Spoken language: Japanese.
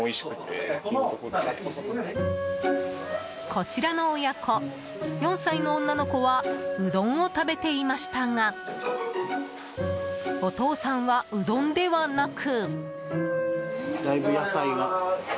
こちらの親子、４歳の女の子はうどんを食べていましたがお父さんは、うどんではなく。